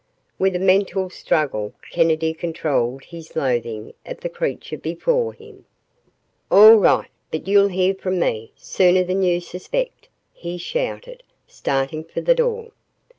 With a mental struggle, Kennedy controlled his loathing of the creature before him. "All right but you'll hear from me sooner than you suspect," he shouted, starting for the door.